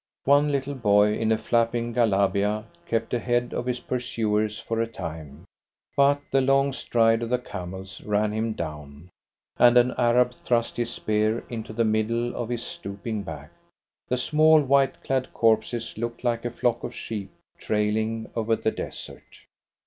One little boy, in a flapping Galabeeah, kept ahead of his pursuers for a time, but the long stride of the camels ran him down, and an Arab thrust his spear into the middle of his stooping back. The small, white clad corpses looked like a flock of sheep trailing over the desert.